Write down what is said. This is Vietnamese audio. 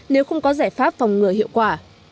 nếu không có giải pháp phòng ngừa hiệu quả